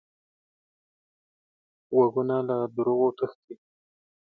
غوږونه له دروغو تښتي